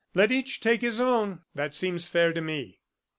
"Let each take his own. That seems fair to me."